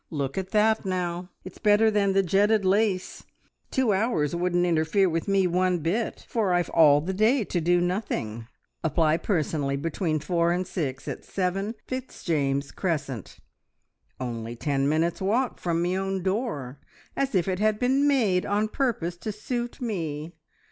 Look at that, now, it's better than the jetted lace! Two hours wouldn't interfere with me one bit, for I've all the day to do nothing. `Apply personally between four and six at Seven, Fitzjames Crescent.' Only ten minutes' walk from me own door, as if it had been made on purpose to suit me!